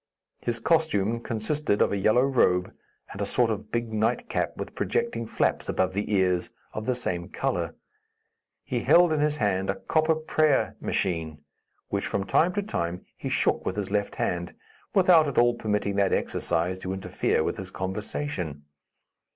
His costume consisted of a yellow robe and a sort of big nightcap, with projecting flaps above the ears, of the same color. He held in his hand a copper prayer machine which, from time to time, he shook with his left hand, without at all permitting that exercise to interfere with his conversation.